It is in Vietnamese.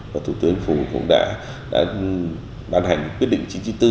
và thủ tướng chính phủ cũng đã vận hành quyết định chính trị tư